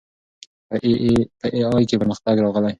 په اې ای کې پرمختګ راغلی.